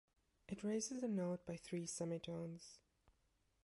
It raises a note by three semitones.